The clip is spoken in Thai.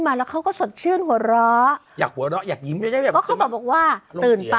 สามสุตาที่อยู่